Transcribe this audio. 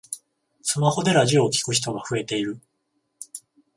スマホでラジオを聞く人が増えている